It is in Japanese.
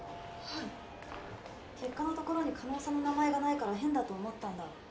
はい結果のところに叶さんの名前がないから変だと思ったんだ